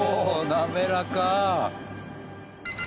滑らか！